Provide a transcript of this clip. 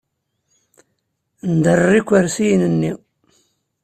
Nderrer ikersiyen-nni.